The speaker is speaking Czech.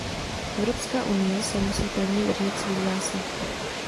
Evropská unie se musí pevně držet svých zásad.